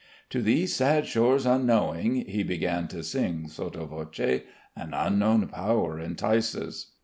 "To these sad shores unknowing," he began to sing sotto voce, "An unknown power entices."